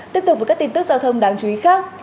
tiếp tục với các tin tức giao thông đáng chú ý khác